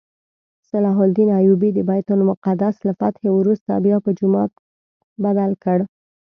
صلاح الدین ایوبي د بیت المقدس له فتحې وروسته بیا په جومات بدل کړ.